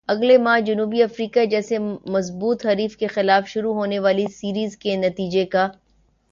اگلے ماہ جنوبی افریقہ جیسے مضبوط حریف کے خلاف شروع ہونے والی سیریز کے نتیجے کا